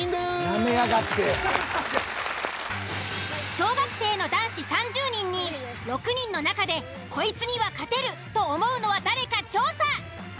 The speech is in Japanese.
小学生の男子３０人に６人の中でこいつには勝てる！と思うのは誰か調査。